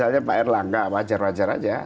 misalnya pak erlangga wajar wajar saja